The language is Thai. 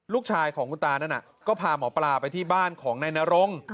ลูกชายของคุณตานั้นก็พาหมอปลาไปที่บ้านของนายนรง